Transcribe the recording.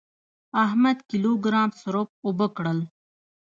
احمد کيلو ګرام سروپ اوبه کړل.